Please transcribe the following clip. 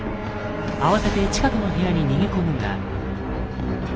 慌てて近くの部屋に逃げ込むが。